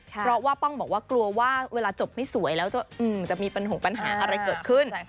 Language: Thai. เพราะว่าป้องบอกว่ากลัวว่าเวลาจบไม่สวยแล้วจะมีปัญหาอะไรเกิดขึ้น